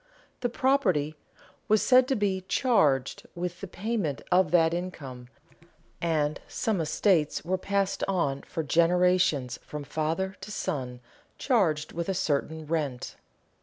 The property was said to be "charged" with the payment of that income, and some estates were passed on for generations from father to son charged with a certain rent.